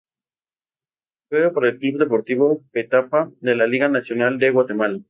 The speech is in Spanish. Juega para El Club Deportivo Petapa de la Liga Nacional de Guatemala.